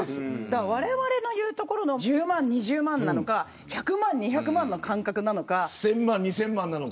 われわれが言うところの１０万、２０万なのか１００万、２００万の感覚なのか。